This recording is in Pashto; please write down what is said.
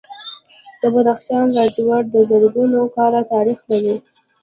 د بدخشان لاجورد زرګونه کاله تاریخ لري